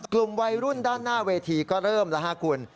กลุ่มวัยรุ่นด้านหน้าเวทีก็เริ่มแล้วฮะคุณ